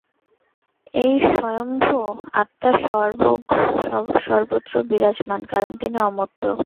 এই স্বয়ম্ভূ আত্মা সর্বগ, সর্বত্র বিরাজমান, কারণ তিনি অমূর্ত।